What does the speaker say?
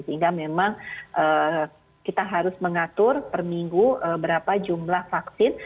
sehingga memang kita harus mengatur per minggu berapa jumlah vaksin